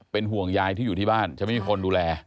เป็นห่วงยายที่อยู่ที่บ้านจะไม่มีคนดูแล